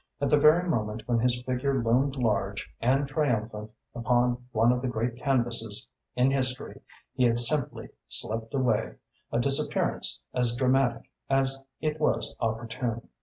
At the very moment when his figure loomed large and triumphant upon one of the great canvasses in history, he had simply slipped away, a disappearance as dramatic as it was opportune.